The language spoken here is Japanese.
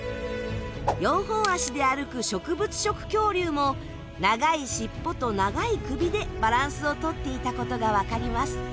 四本足で歩く植物食恐竜も長い尻尾と長い首でバランスをとっていたことがわかります。